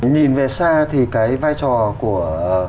nhìn về xa thì cái vai trò của